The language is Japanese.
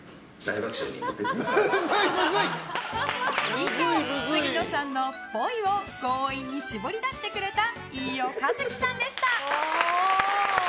以上、杉野さんのっぽいを強引に絞り出してくれた飯尾和樹さんでした。